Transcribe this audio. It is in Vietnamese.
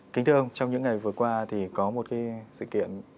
kính thưa ông trong những ngày vừa qua thì có một sự kiện